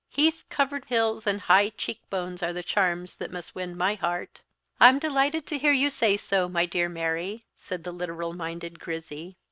Heath covered hills and high cheek bones are the charms that must win my heart." "I'm delighted to hear you say so, my dear Mary," said the literal minded Grizzy.